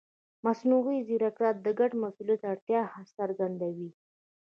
مصنوعي ځیرکتیا د ګډ مسؤلیت اړتیا څرګندوي.